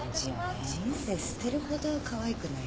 人生捨てるほどかわいくないかもね。